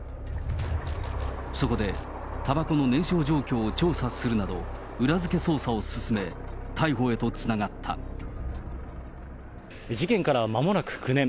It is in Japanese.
そこで、たばこの燃焼状況を調査するなど、裏付け捜査を進め、事件からまもなく９年。